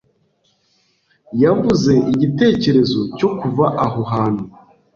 yavuze igitekerezo cyo kuva aho hantu